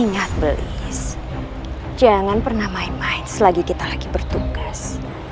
ingat belis jangan pernah main main selagi kita lagi bertugas